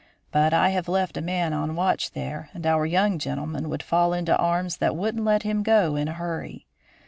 But I have left a man on watch there and our young gentleman would fall into arms that wouldn't let him go in a hurry.